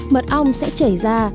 mật ong sẽ chảy ra